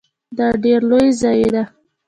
دا ډیره لوی ضایعه ده .